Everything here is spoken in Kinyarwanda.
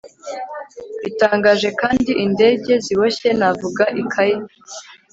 bitangaje, kandi indege, ziboshye navuga ikaye